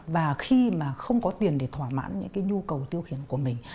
và khi mà không có tiền để thỏa mãn những cái nhu cầu tiêu khiển của mình